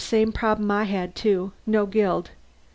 Same problem I had, too: no guild.